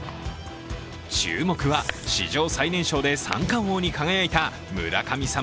注目は史上最年少で三冠王に輝いた村神様